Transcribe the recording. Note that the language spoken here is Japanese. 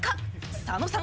佐野さん